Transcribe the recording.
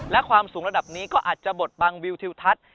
และความสูงระดับนี้ก็อาจจะบดบังวิวทิวทัศน์